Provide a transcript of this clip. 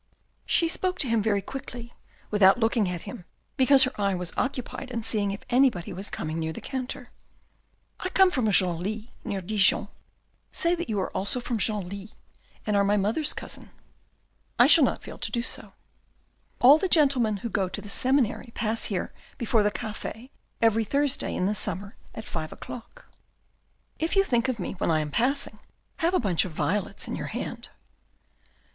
She spoke to him very quickly, without looking at him, because her eye was occupied in seeing if anybody was coming near the counter. " I come from Genlis, near Dijon. Say that you are also from Genlis and are my mother's cousin." " I shall not fail to do so." " All the gentlemen who go to the Seminary pass here before the cafe every Thursday in the summer at five o'clock." " If you think of me when I am passing, have a bunch of violets in your hand."